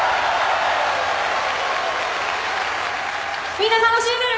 みんな楽しんでる？